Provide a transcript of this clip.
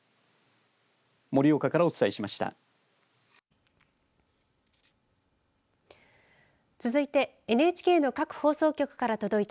盛岡からお伝えしました。